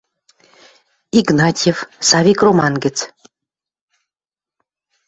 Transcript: Игнатьев, «Савик» роман гӹц.